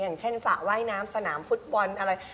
อย่างเช่นสระว่ายน้ำสนามฟุตบอลอะไร